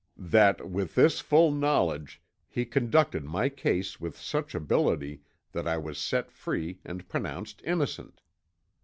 "That with this full knowledge, he conducted my case with such ability that I was set free and pronounced innocent.